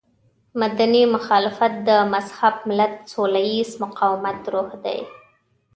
مدني مخالفت د مهذب ملت سوله ييز مقاومت روح دی.